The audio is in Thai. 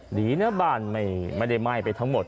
หนีนะบ้านไม่ได้ไหม้ไปทั้งหมด